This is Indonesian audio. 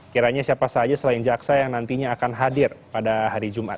kiranya siapa saja selain jaksa yang nantinya akan hadir pada hari jumat